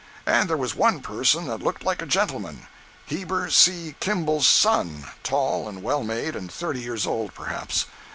And there was one person that looked like a gentleman—Heber C. Kimball's son, tall and well made, and thirty years old, perhaps.